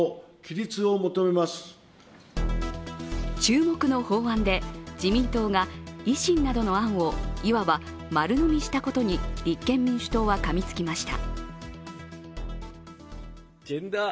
注目の法案で自民党が維新などの案をいわば丸のみしたことに立憲民主党はかみつきました。